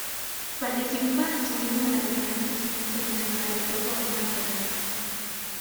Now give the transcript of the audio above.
Participa asimismo en la primera exposición internacional del grupo en Ámsterdam.